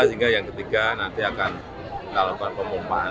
sehingga yang ketiga nanti akan kalahkan pemumpaan pemumpaan